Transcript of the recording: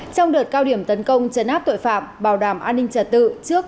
trong đợt cao điểm tấn công chấn áp tội phạm bảo đảm an ninh trật tự trước